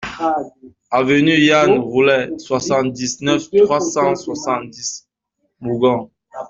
Avenue Yann Roullet, soixante-dix-neuf, trois cent soixante-dix Mougon